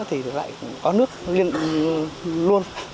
thì lại có nước luôn